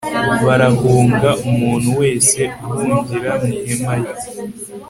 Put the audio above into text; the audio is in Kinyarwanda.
barahunga umuntu wese ahungira mu ihema rye